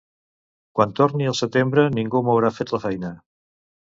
Quan torni al setembre ningú m'haurà fet la feina